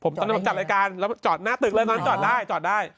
พบตอนผมจัดรายการจอดหน้าตึกเรือนั้นจอดได้